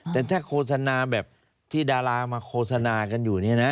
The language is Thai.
แต่ถ้าโฆษณาแบบที่ดารามันโฆษณากันอยู่